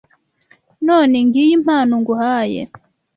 None ngiyi impano nguhaye